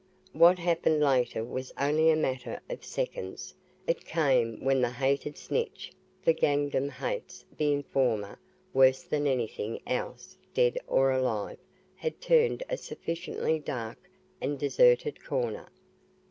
What happened later was only a matter of seconds. It came when the hated snitch for gangdom hates the informer worse than anything else dead or alive had turned a sufficiently dark and deserted corner.